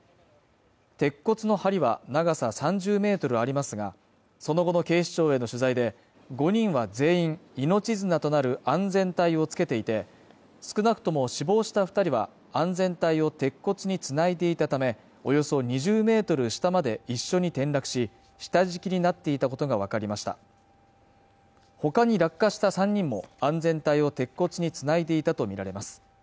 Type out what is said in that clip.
鉄骨の梁は長さ３０ｍありますがその後の警視庁への取材で５人は全員命綱となる安全帯をつけていて少なくとも死亡した二人は安全帯を鉄骨につないでいたためおよそ２０ｍ下まで一緒に転落し下敷きになっていたことが分かりましたほかに落下した３人も安全帯を鉄骨につないでいたと見られます